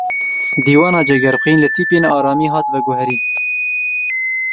Dîwana Cegerxwîn li tîpên aramî hat veguherîn.